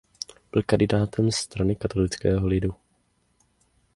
Byl kandidátem Strany katolického lidu.